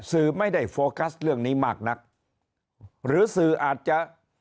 สื่อไม่ได้โฟกัสเรื่องนี้มากนักหรือสื่ออาจจะ